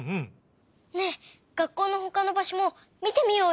ねえ学校のほかのばしょもみてみようよ！